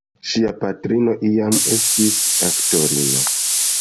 Ŝia patrino iam estis aktorino.